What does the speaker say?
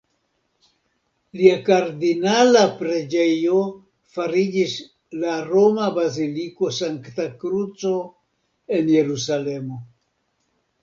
Lia kardinala preĝejo fariĝis la roma Baziliko Sankta Kruco en Jerusalemo.